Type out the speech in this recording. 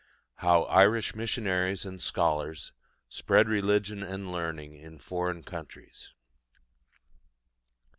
HOW IRISH MISSIONARIES AND SCHOLARS SPREAD RELIGION AND LEARNING IN FOREIGN COUNTRIES.